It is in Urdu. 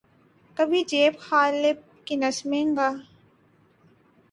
کبھی حبیب جالب کی نظمیں گا۔